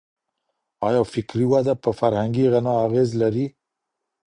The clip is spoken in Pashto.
آيا فکري وده پر فرهنګي غنا اغېز لري؟